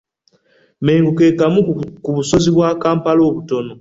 Mmengo ke kamu ku busozi bwa Kampala obutaano.